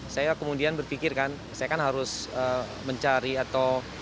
saya kemudian berpikir kan saya kan harus mencari atau